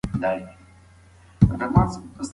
موږ کولای شو یوه غوره ټولنه جوړه کړو.